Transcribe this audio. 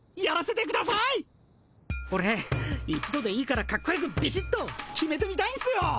オレ一度でいいからカッコよくビシッと決めてみたいんすよ！